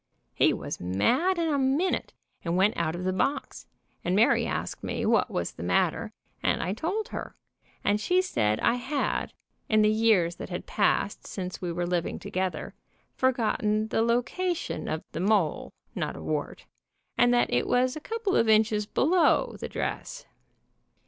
He was mad in a minute and went out of the box, and Mary asked me what was the matter, and I told her, and she said I had, in the years that had passed since we were living together, forgotten the location of the mole, not a wart, and that it was a couple of 2l8 QUEER CASE IN NEW YORK inches below the dress.